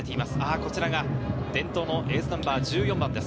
これが伝統のエースナンバー１４番です。